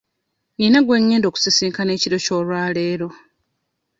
Nina gwe ngenda okusisinkana ekiro ky'olwaleero.